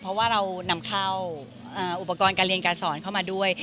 เพราะว่าเรานำเข้าอุปกรณ์การเรียนการสอนเข้ามาด้วย